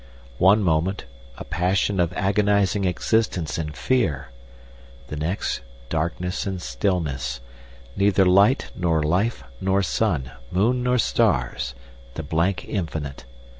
One moment, a passion of agonising existence and fear; the next, darkness and stillness, neither light nor life nor sun, moon nor stars, the blank infinite.